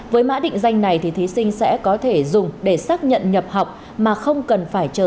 với mã định danh này thì thí sinh sẽ có thể dùng để xác nhận nhập học mà không cần phải chờ